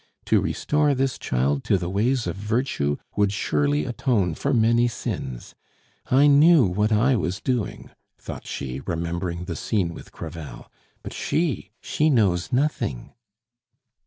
To restore this child to the ways of virtue would surely atone for many sins. I knew what I was doing." thought she, remembering the scene with Crevel. "But she she knows nothing."